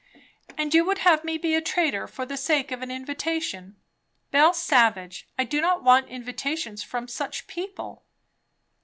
"And you would have me be a traitor for the sake of an invitation? Bell Savage, I do not want invitations from such people."